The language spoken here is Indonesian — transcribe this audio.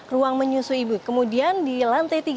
ruang menyusui ibu kemudian di lantai tiga